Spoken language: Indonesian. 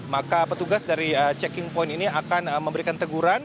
maka petugas dari checking point ini akan memberikan teguran